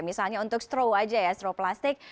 misalnya untuk stroh aja ya stroh plastik